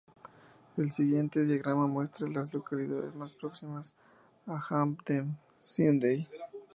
El siguiente diagrama muestra a las localidades más próximas a Hampden Sydney.